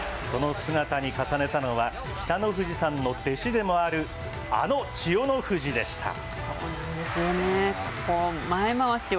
その姿に重ねたのは、北の富士さんの弟子でもある、あの千代の富士でした。